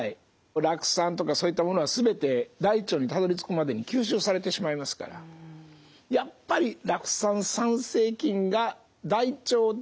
酪酸とかそういったものは全て大腸にたどりつくまでに吸収されてしまいますからやっぱり酪酸産生菌が大腸で酪酸を作るということが大事なんです。